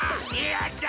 やった！